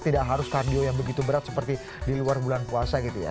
tidak harus kardio yang begitu berat seperti di luar bulan puasa gitu ya